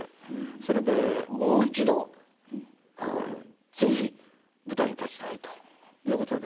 それでもう一度是非舞台に立ちたいということで。